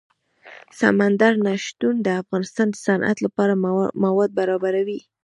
سمندر نه شتون د افغانستان د صنعت لپاره مواد برابروي.